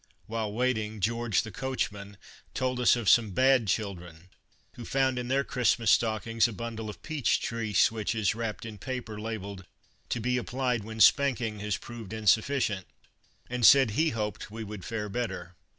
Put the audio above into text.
While waiting, George, the coachman, told us of some bad children who found in their Christmas stockings a bundle of peach tree switches wrapped in paper labeled :" To be applied when spanking has proved insufficient," and said he hoped we would fare 1 etter.